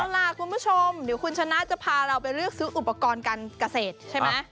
เอาล่ะคุณผู้ชมเดี๋ยวคุณชนะจะพาเราไปเลือกซื้ออุปกรณ์การเกษตรใช่ไหม